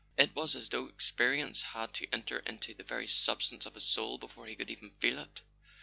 It was as though experience had to enter into the very substance of his soul before he could even feel it.